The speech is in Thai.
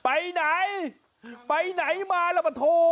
ไปไหนไปไหนมาัละปะโท